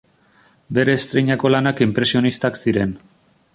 Bere estreinako lanak inpresionistak ziren.